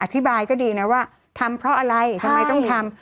อธิบายก็ดีนะว่าทำเพราะอะไรทำไมต้องทำ